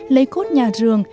lấy cốt nhà rường